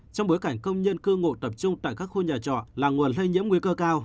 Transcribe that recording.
trong bối cảnh công nhân cư ngụ tập trung tại các khu nhà trọ là nguồn lây nhiễm nguy cơ cao